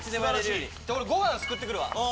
俺ご飯すくってくるわ。